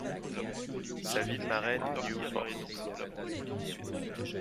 Sa ville marraine est Nieuwpoort.